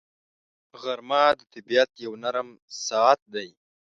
غرمه د طبیعت یو نرم ساعت دی